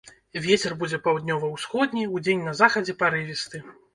Вецер будзе паўднёва-ўсходні, удзень на захадзе парывісты.